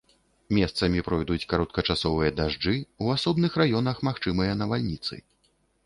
Месцамі пройдуць кароткачасовыя дажджы, у асобных раёнах магчымыя навальніцы.